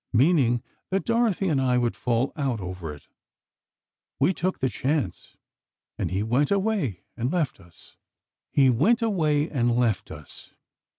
meaning that Dorothy and I would fall out over it. We took the chance, and he went away and left us." "He went away and left us!"